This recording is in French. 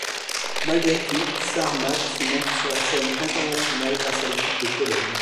Malgré tout, Szarmach se montre sur la scène internationale grâce à l'équipe de Pologne.